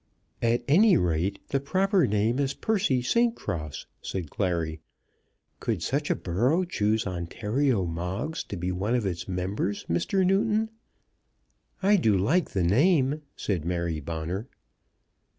"At any rate, the proper name is Percy St. Cross," said Clary. "Could such a borough choose Ontario Moggs to be one of its members, Mr. Newton?" "I do like the name," said Mary Bonner.